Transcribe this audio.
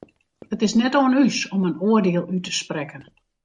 It is net oan ús om in oardiel út te sprekken.